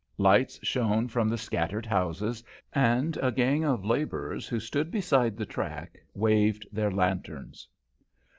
Lights shone from the scattered houses, and a gang of labourers who stood beside the track waved their lanterns.